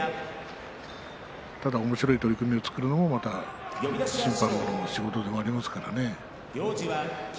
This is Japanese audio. ただおもしろい取組を作るのも審判部の仕事ですからね。